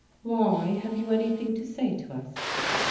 " Why, have you anything to say to us